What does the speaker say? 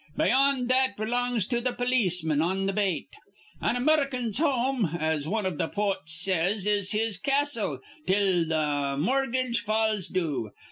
Beyond that belongs to th' polisman on th' bate. An Amurrican's home, as wan iv th' potes says, is his castle till th' morgedge falls due.